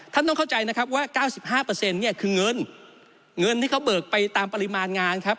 ท่านต้องเข้าใจนะครับว่า๙๕เนี่ยคือเงินเงินที่เขาเบิกไปตามปริมาณงานครับ